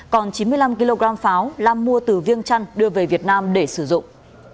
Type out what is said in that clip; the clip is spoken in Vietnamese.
còn chín mươi năm kg pháo lam mua từ viêng trăn đưa về việt nam để sử dụng